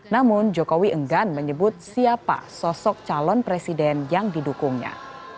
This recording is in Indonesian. namun jokowi enggan menyebut siapa sosok calon presiden yang didukungnya